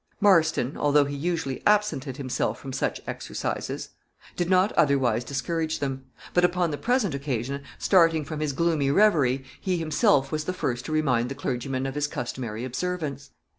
Marston, although he usually absented himself from such exercises, did not otherwise discourage them; but upon the present occasion, starting from his gloomy reverie, he himself was the first to remind the clergyman of his customary observance.